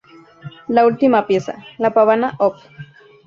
La última pieza, la Pavana Op.